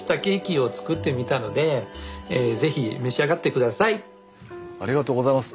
一生さんありがとうございます。